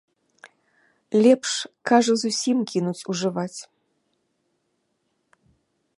Лепш, кажа, зусім кінуць ужываць.